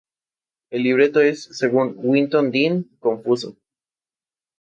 El libreto es, según Winton Dean, confuso.